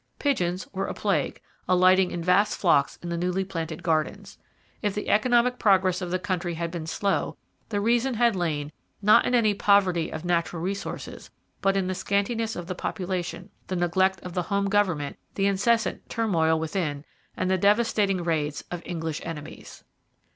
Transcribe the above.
Pigeons were a plague, alighting in vast flocks in the newly planted gardens. If the economic progress of the country had been slow, the reason had lain, not in any poverty of natural resources, but in the scantiness of the population, the neglect of the home government, the incessant turmoil within, and the devastating raids of English enemies.